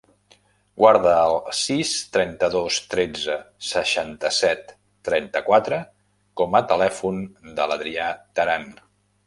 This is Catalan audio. Guarda el sis, trenta-dos, tretze, seixanta-set, trenta-quatre com a telèfon de l'Adrià Teran.